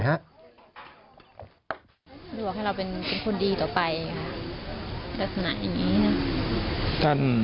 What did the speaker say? หรือว่าให้เราเป็นคนดีต่อไปลักษณะอย่างนี้นะ